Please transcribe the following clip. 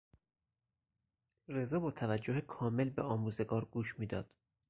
رضا با توجه کامل به آموزگار گوش میداد.